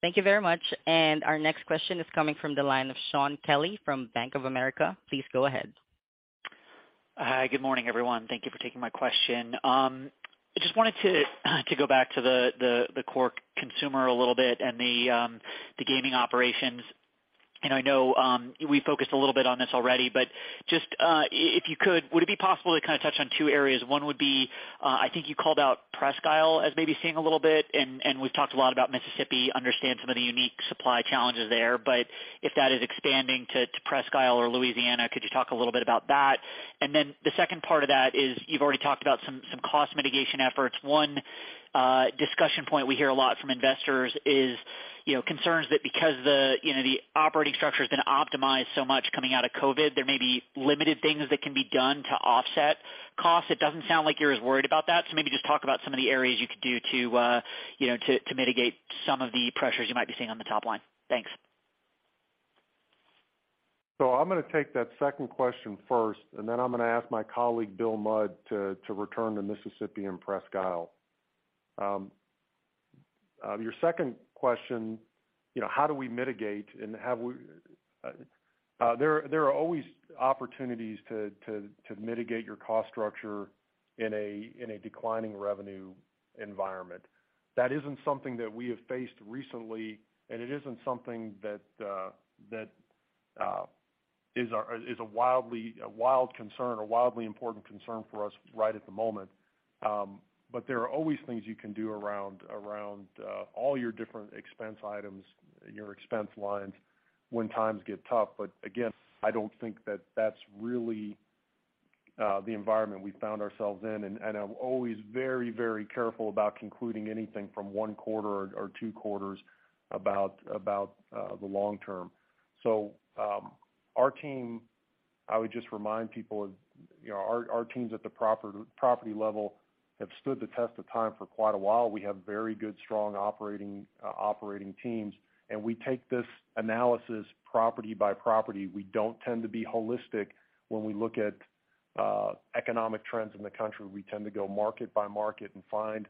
Speaker 1: Thank you very much. Our next question is coming from the line of Shaun Kelley from Bank of America. Please go ahead.
Speaker 7: Hi, good morning, everyone. Thank you for taking my question. I just wanted to go back to the core consumer a little bit and the gaming operations. I know we focused a little bit on this already, but if you could, would it be possible to kind of touch on two areas? One would be, I think you called out Presque Isle as maybe seeing a little bit, and we've talked a lot about Mississippi, understand some of the unique supply challenges there. If that is expanding to Presque Isle or Louisiana, could you talk a little bit about that? The second part of that is you've already talked about some cost mitigation efforts. One discussion point we hear a lot from investors is, you know, concerns that because the, you know, the operating structure has been optimized so much coming out of COVID, there may be limited things that can be done to offset costs. It doesn't sound like you're as worried about that. Maybe just talk about some of the areas you could do to, you know, to mitigate some of the pressures you might be seeing on the top line. Thanks.
Speaker 3: I'm gonna take that second question first, and then I'm gonna ask my colleague, Bill Mudd, to return to Mississippi and Presque Isle. Your second question, you know, there are always opportunities to mitigate your cost structure in a declining revenue environment. That isn't something that we have faced recently, and it isn't something that is a wild concern or wildly important concern for us right at the moment. But there are always things you can do around all your different expense items, your expense lines when times get tough. Again, I don't think that that's really the environment we found ourselves in. I'm always very careful about concluding anything from one quarter or two quarters about the long term. Our team, I would just remind people, you know, our teams at the property level have stood the test of time for quite a while. We have very good, strong operating teams, and we take this analysis property by property. We don't tend to be holistic when we look at economic trends in the country. We tend to go market by market and find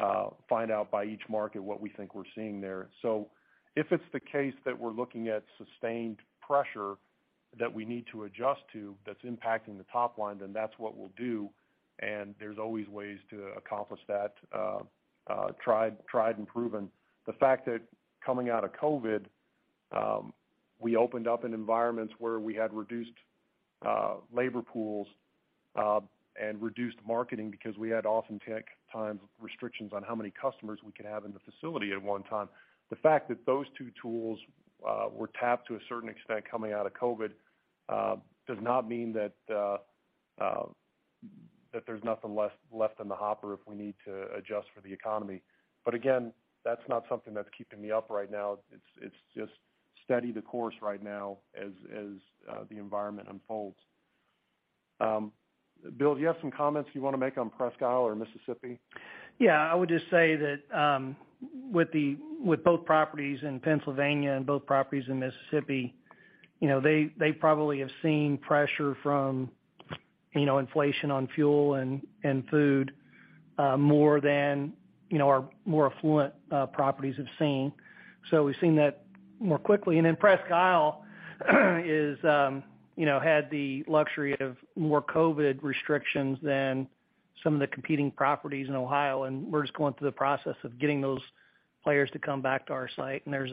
Speaker 3: out by each market what we think we're seeing there. If it's the case that we're looking at sustained pressure that we need to adjust to that's impacting the top line, then that's what we'll do. There's always ways to accomplish that, tried and proven. The fact that coming out of COVID, we opened up in environments where we had reduced labor pools and reduced marketing because we had oftentimes restrictions on how many customers we could have in the facility at one time. The fact that those two tools were tapped to a certain extent coming out of COVID does not mean that there's nothing left in the hopper if we need to adjust for the economy. But again, that's not something that's keeping me up right now. It's just stay the course right now as the environment unfolds. Bill, do you have some comments you wanna make on Presque Isle or Mississippi?
Speaker 8: Yeah, I would just say that with both properties in Pennsylvania and both properties in Mississippi, you know, they probably have seen pressure from you know, inflation on fuel and food more than you know, our more affluent properties have seen. We've seen that more quickly. Presque Isle had the luxury of more COVID restrictions than some of the competing properties in Ohio. We're just going through the process of getting those players to come back to our site. There's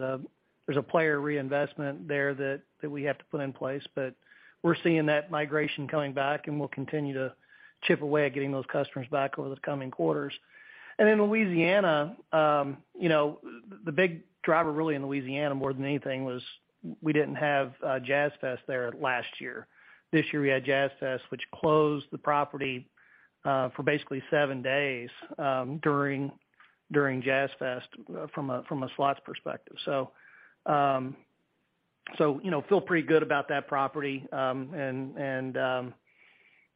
Speaker 8: a player reinvestment there that we have to put in place. We're seeing that migration coming back, and we'll continue to chip away at getting those customers back over the coming quarters. In Louisiana, you know, the big driver really in Louisiana more than anything was we didn't have Jazz Fest there last year. This year, we had Jazz Fest, which closed the property for basically seven days during Jazz Fest from a slots perspective. So, you know, feel pretty good about that property. And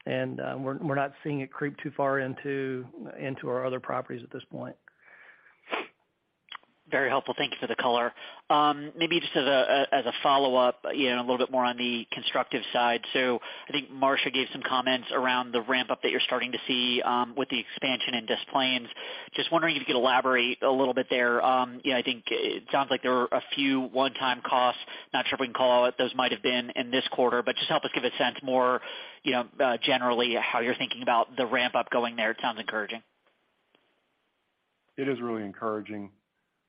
Speaker 8: we're not seeing it creep too far into our other properties at this point.
Speaker 7: Very helpful. Thank you for the color. Maybe just as a follow-up, you know, a little bit more on the constructive side. I think Marcia gave some comments around the ramp up that you're starting to see with the expansion in Des Plaines. Just wondering if you could elaborate a little bit there. You know, I think it sounds like there were a few one-time costs. Not sure if we can call out what those might have been in this quarter, but just help us give a sense more, you know, generally how you're thinking about the ramp up going there. It sounds encouraging.
Speaker 3: It is really encouraging.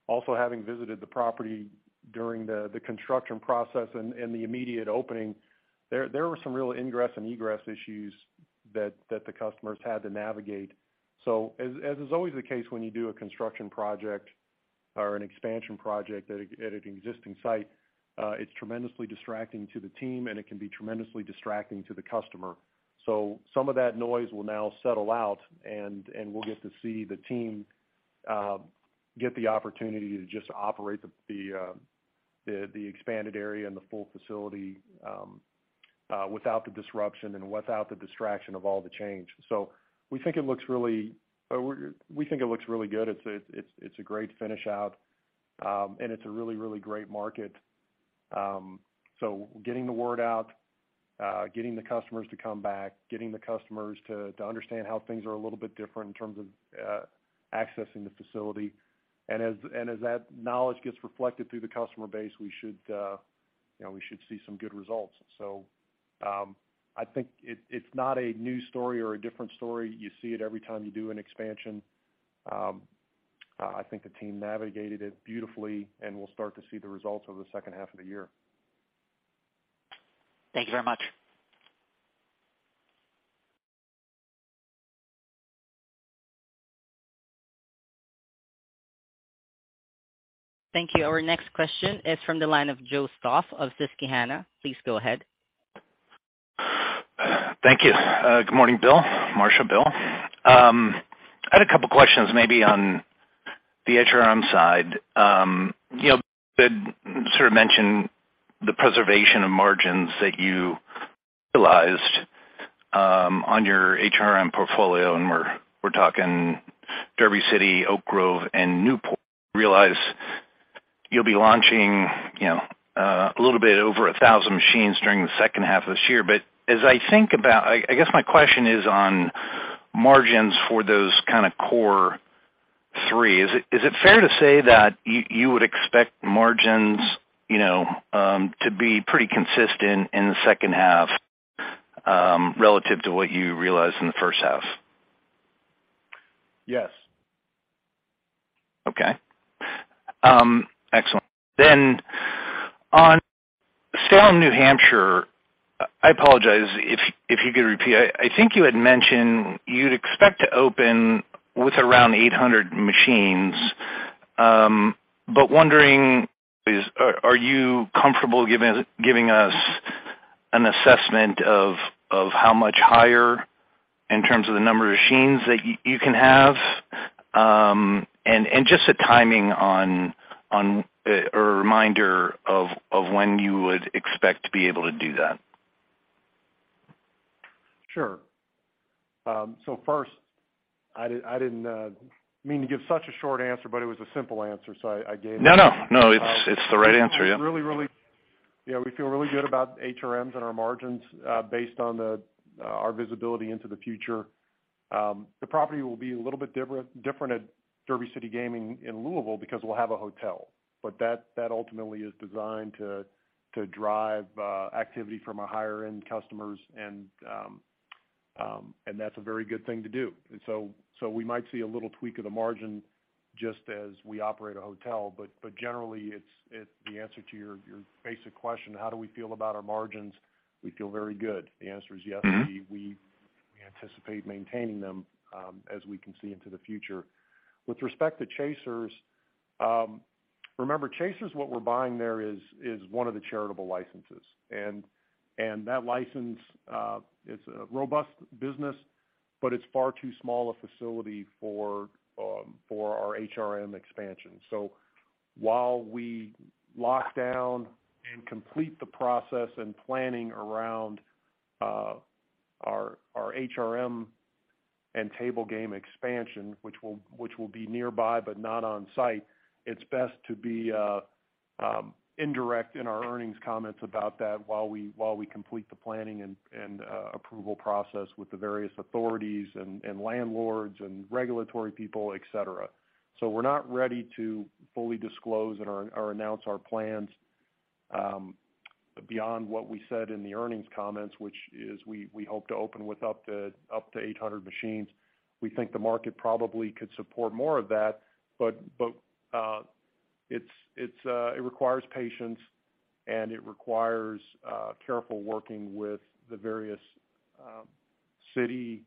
Speaker 3: Also, having visited the property during the construction process and the immediate opening, there were some real ingress and egress issues that the customers had to navigate. As is always the case, when you do a construction project or an expansion project at an existing site, it's tremendously distracting to the team, and it can be tremendously distracting to the customer. Some of that noise will now settle out and we'll get to see the team get the opportunity to just operate the expanded area and the full facility without the disruption and without the distraction of all the change. We think it looks really good. It's a great finish out, and it's a really great market. Getting the word out, getting the customers to come back, getting the customers to understand how things are a little bit different in terms of accessing the facility. As that knowledge gets reflected through the customer base, we should, you know, see some good results. I think it's not a new story or a different story. You see it every time you do an expansion. I think the team navigated it beautifully, and we'll start to see the results over the second half of the year.
Speaker 1: Thank you very much. Thank you. Our next question is from the line of Joe Stauff of Susquehanna. Please go ahead.
Speaker 9: Thank you. Good morning, Bill, Marcia, Bill. I had a couple questions maybe on the HRM side. You know, you sort of mentioned the preservation of margins that you realized on your HRM portfolio, and we're talking Derby City, Oak Grove, and Newport. Realize you'll be launching, you know, a little bit over 1,000 machines during the second half of this year. As I think about, I guess my question is on margins for those kind of core three. Is it fair to say that you would expect margins, you know, to be pretty consistent in the second half relative to what you realized in the first half?
Speaker 3: Yes.
Speaker 9: Okay. Excellent. On Salem, New Hampshire, I apologize if you could repeat. I think you had mentioned you'd expect to open with around 800 machines. Wondering, are you comfortable giving us an assessment of how much higher in terms of the number of machines that you can have? Just the timing on, or a reminder of when you would expect to be able to do that.
Speaker 3: Sure. First, I didn't mean to give such a short answer, but it was a simple answer, so I gave it.
Speaker 9: No, no. It's, it's the right answer, yeah.
Speaker 3: Yeah, we feel really good about HRMs and our margins based on our visibility into the future. The property will be a little bit different at Derby City Gaming in Louisville because we'll have a hotel. That ultimately is designed to drive activity from our higher end customers and that's a very good thing to do. We might see a little tweak of the margin just as we operate a hotel. Generally, it's the answer to your basic question, how do we feel about our margins? We feel very good. The answer is yes. We anticipate maintaining them as we can see into the future. With respect to Chasers, remember, Chasers, what we're buying there is one of the charitable licenses, and that license is a robust business, but it's far too small a facility for our HRM expansion. While we lock down and complete the process and planning around our HRM and table game expansion, which will be nearby but not on site, it's best to be indirect in our earnings comments about that while we complete the planning and approval process with the various authorities and landlords and regulatory people, et cetera. We're not ready to fully disclose or announce our plans beyond what we said in the earnings comments, which is we hope to open with up to 800 machines. We think the market probably could support more of that, but it requires patience, and it requires careful working with the various city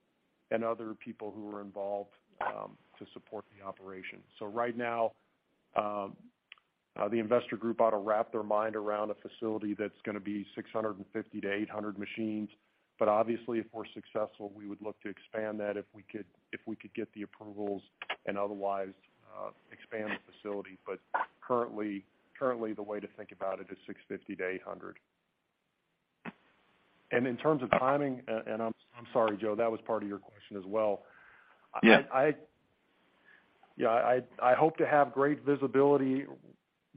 Speaker 3: and other people who are involved to support the operation. Right now, the investor group ought to wrap their mind around a facility that's gonna be 650-800 machines. Obviously, if we're successful, we would look to expand that if we could get the approvals and otherwise expand the facility. Currently, the way to think about it is 650-800. In terms of timing, and I'm sorry, Joe, that was part of your question as well.
Speaker 9: Yeah.
Speaker 3: Yeah, I hope to have great visibility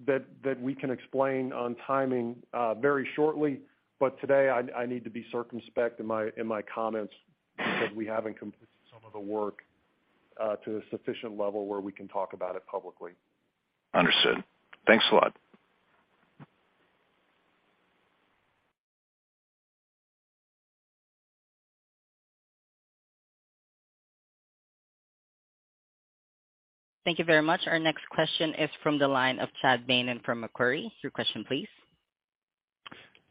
Speaker 3: that we can explain on timing very shortly, but today I need to be circumspect in my comments because we haven't completed some of the work to a sufficient level where we can talk about it publicly.
Speaker 9: Understood. Thanks a lot.
Speaker 1: Thank you very much. Our next question is from the line of Chad Beynon from Macquarie. Your question please.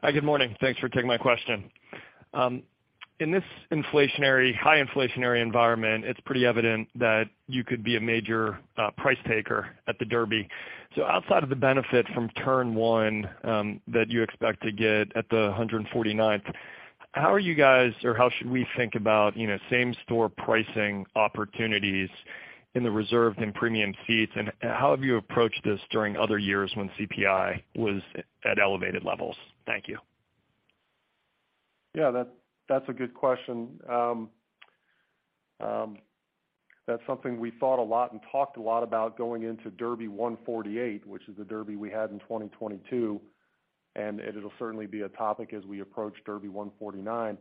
Speaker 10: Hi, good morning. Thanks for taking my question. In this inflationary, high inflationary environment, it's pretty evident that you could be a major price taker at the Derby. Outside of the benefit from turn one that you expect to get at the 149th, how are you guys or how should we think about, you know, same store pricing opportunities in the reserved and premium seats, and how have you approached this during other years when CPI was at elevated levels? Thank you.
Speaker 3: Yeah, that's a good question. That's something we thought a lot and talked a lot about going into Derby 148, which is the Derby we had in 2022, and it'll certainly be a topic as we approach Derby 149.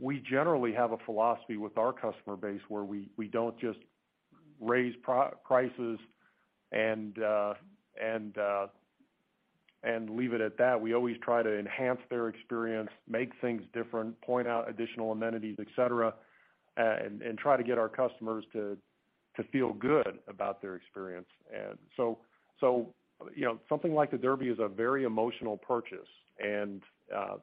Speaker 3: We generally have a philosophy with our customer base where we don't just raise prices and leave it at that. We always try to enhance their experience, make things different, point out additional amenities, et cetera, and try to get our customers to feel good about their experience. You know, something like the Derby is a very emotional purchase, and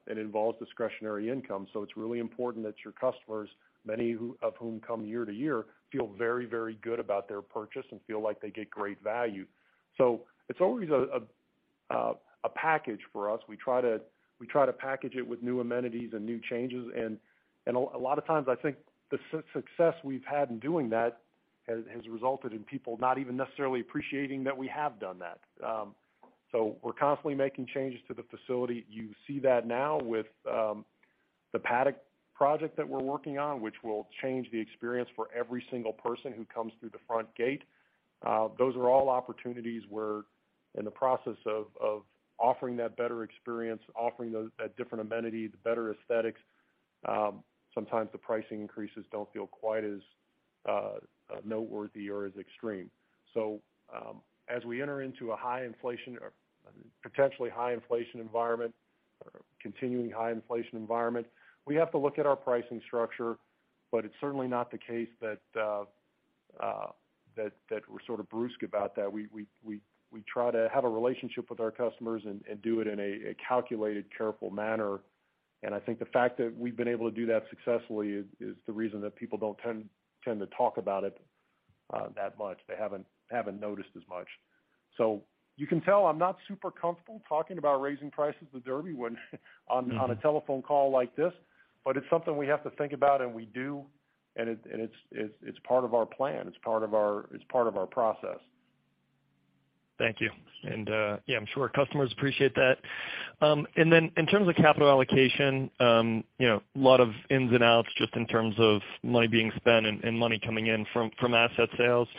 Speaker 3: it involves discretionary income. It's really important that your customers, many of whom come year to year, feel very, very good about their purchase and feel like they get great value. It's always a package for us. We try to package it with new amenities and new changes. A lot of times I think the success we've had in doing that has resulted in people not even necessarily appreciating that we have done that. We're constantly making changes to the facility. You see that now with the paddock project that we're working on, which will change the experience for every single person who comes through the front gate. Those are all opportunities where in the process of offering that better experience, a different amenity, the better aesthetics, sometimes the pricing increases don't feel quite as noteworthy or as extreme. As we enter into a high inflation or potentially high inflation environment or continuing high inflation environment, we have to look at our pricing structure. It's certainly not the case that that we're sort of brusque about that. We try to have a relationship with our customers and do it in a calculated, careful manner. I think the fact that we've been able to do that successfully is the reason that people don't tend to talk about it that much. They haven't noticed as much. You can tell I'm not super comfortable talking about raising prices at the Derby when on a telephone call like this, but it's something we have to think about, and we do, and it's part of our plan, it's part of our process.
Speaker 10: Thank you. Yeah, I'm sure customers appreciate that. Then in terms of capital allocation, you know, a lot of ins and outs just in terms of money being spent and money coming in from asset sales.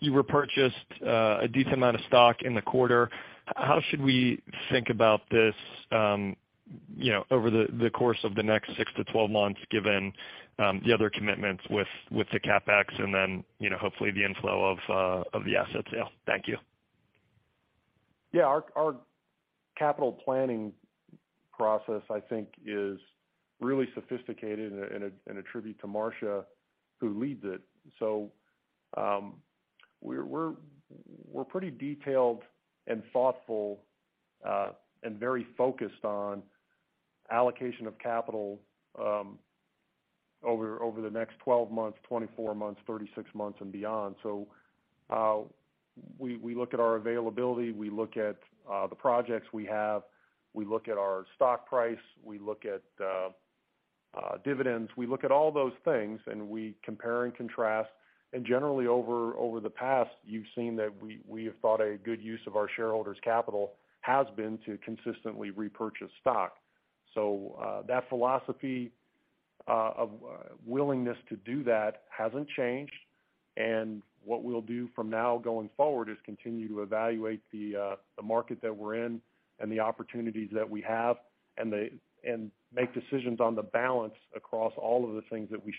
Speaker 10: You repurchased a decent amount of stock in the quarter. How should we think about this, you know, over the course of the next 6-12 months, given the other commitments with the CapEx and then, you know, hopefully the inflow of the asset sale? Thank you.
Speaker 3: Yeah, our capital planning process, I think is really sophisticated and a tribute to Marcia who leads it. We're pretty detailed and thoughtful, and very focused on allocation of capital, over the next 12 months, 24 months, 36 months and beyond. We look at our availability, we look at the projects we have, we look at our stock price, we look at dividends. We look at all those things and we compare and contrast. Generally over the past, you've seen that we have thought a good use of our shareholders' capital has been to consistently repurchase stock. That philosophy of willingness to do that hasn't changed. What we'll do from now going forward is continue to evaluate the market that we're in and the opportunities that we have and make decisions on the balance across all of the things that we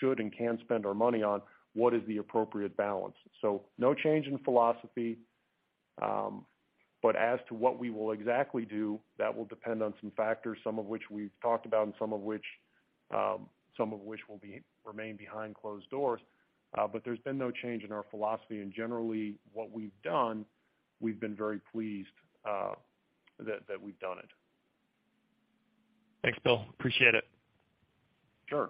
Speaker 3: should and can spend our money on, what is the appropriate balance. No change in philosophy, but as to what we will exactly do, that will depend on some factors, some of which we've talked about and some of which will remain behind closed doors. But there's been no change in our philosophy. Generally, what we've done, we've been very pleased that we've done it.
Speaker 10: Thanks, Bill. Appreciate it.
Speaker 3: Sure.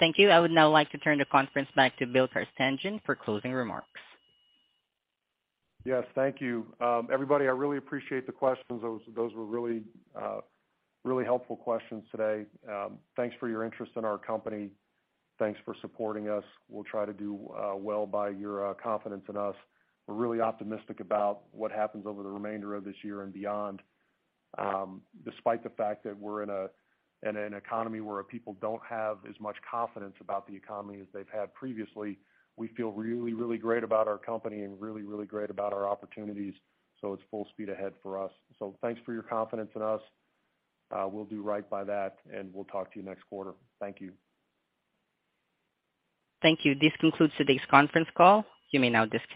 Speaker 1: Thank you. I would now like to turn the conference back to Bill Carstanjen for closing remarks.
Speaker 3: Yes, thank you. Everybody, I really appreciate the questions. Those were really helpful questions today. Thanks for your interest in our company. Thanks for supporting us. We'll try to do well by your confidence in us. We're really optimistic about what happens over the remainder of this year and beyond. Despite the fact that we're in an economy where people don't have as much confidence about the economy as they've had previously, we feel really, really great about our company and really, really great about our opportunities. It's full speed ahead for us. Thanks for your confidence in us. We'll do right by that, and we'll talk to you next quarter. Thank you.
Speaker 1: Thank you. This concludes today's conference call. You may now disconnect.